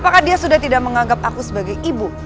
apakah dia sudah tidak menganggap aku sebagai ibu